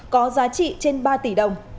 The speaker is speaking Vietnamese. có giá trị trên ba tỷ đồng